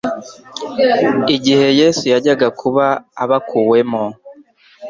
Igihe Yesu yajyaga kuba abakuwemo,